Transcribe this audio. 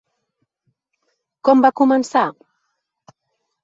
Com va començar?